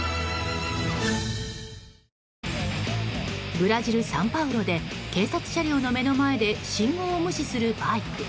ブラジル・サンパウロで警察車両の目の前で信号を無視するバイク。